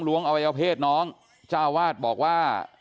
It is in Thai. หลวงอวัยเพศน้องเจ้าอาวาสบอกว่า